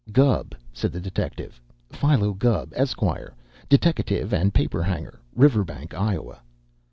"Gubb," said the detective. "Philo Gubb, Esquire, deteckative and paper hanger, Riverbank, Iowa."